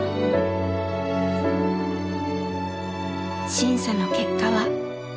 審査の結果は。